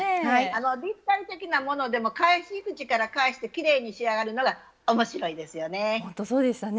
立体的なものでも返し口から返してきれいに仕上がるのが面白いですよね。